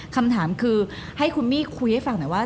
คำถามคือให้คุณมี่คุยให้ฟังหน่อยว่า